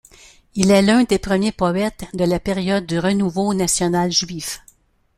Il est l'un des premiers poètes de la période du renouveau national juif.